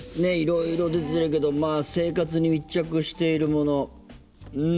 色々出てるけど生活に密着しているもの